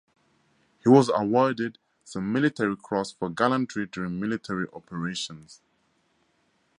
He was awarded the Military Cross for gallantry during military operations.